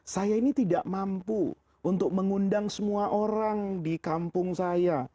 saya ini tidak mampu untuk mengundang semua orang di kampung saya